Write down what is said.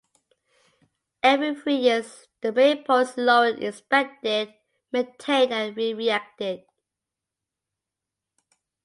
Every three years, the maypole is lowered, inspected, maintained and re-erected.